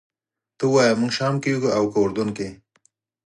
ته ووایه موږ شام کې یو او که اردن کې.